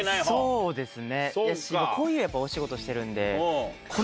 そうですね。